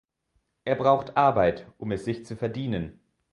Er braucht Arbeit, um es sich zu verdienen.